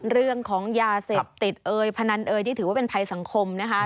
เรื่องของยาเสพติดเอยพนันเอยนี่ถือว่าเป็นภัยสังคมนะคะ